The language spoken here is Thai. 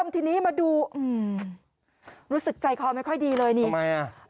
ทีนี้มาดูอืมรู้สึกใจคอไม่ค่อยดีเลยนี่ทำไมอ่ะ